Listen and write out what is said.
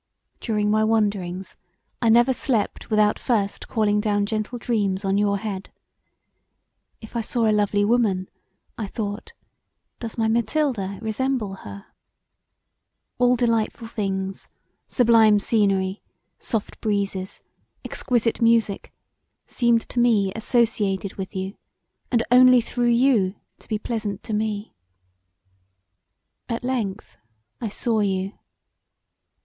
During my wanderings I never slept without first calling down gentle dreams on your head. If I saw a lovely woman, I thought, does my Mathilda resemble her? All delightful things, sublime scenery, soft breezes, exquisite music seemed to me associated with you and only through you to be pleasant to me. At length I saw you.